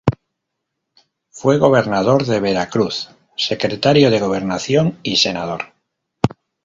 Fue Gobernador de Veracruz, Secretario de Gobernación y Senador.